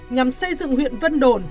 nhằm xây dựng huyện vân đồn